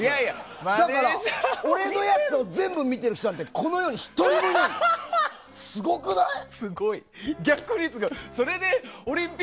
だから、俺のやつを全部見てる人なんてこの世に１人もいないよ。